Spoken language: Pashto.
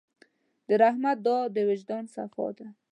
د رحمت دعا د وجدان صفا ده.